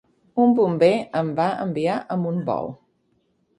Un bomber em va envair amb un bou.